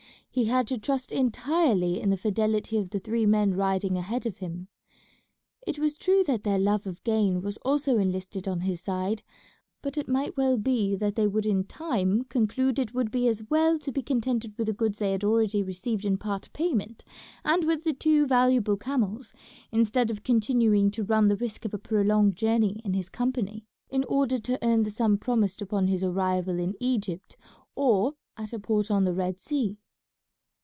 He had to trust entirely in the fidelity of the three men riding ahead of him. It was true that their love of gain was also enlisted on his side, but it might well be that they would in time conclude it would be as well to be contented with the goods they had already received in part payment and with the two valuable camels, instead of continuing to run the risk of a prolonged journey in his company in order to earn the sum promised upon his arrival in Egypt or at a port on the Red Sea.